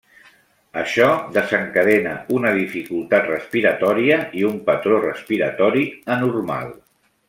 Això, desencadena una dificultat respiratòria i un patró respiratori anormal.